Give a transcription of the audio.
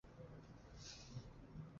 也表记为飞行第五战队。